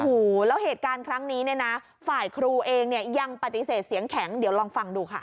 โอ้โหแล้วเหตุการณ์ครั้งนี้เนี่ยนะฝ่ายครูเองเนี่ยยังปฏิเสธเสียงแข็งเดี๋ยวลองฟังดูค่ะ